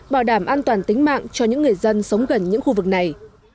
bảo đảm an toàn tính mạng cho những người dân sống gần những khu vực này